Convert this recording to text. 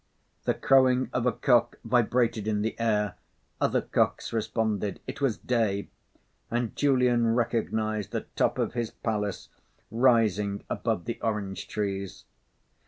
The crowing of a cock vibrated in the air. Other cocks responded; it was day; and Julian recognised the top of his palace rising above the orange trees.